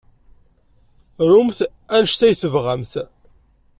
Rumt anect ay tebɣamt.